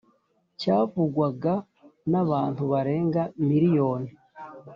Cyavugwaga n’abantu barenga miriyoni